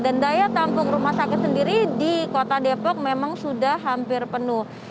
dan daya tampung rumah sakit sendiri di kota depok memang sudah hampir penuh